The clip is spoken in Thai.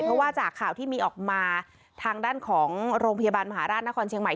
เพราะว่าจากข่าวที่มีออกมาทางด้านของโรงพยาบาลมหาราชนครเชียงใหม่